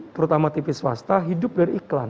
terutama tv swasta hidup dari iklan